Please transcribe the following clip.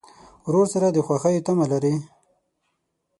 ورور سره د خوښیو تمه لرې.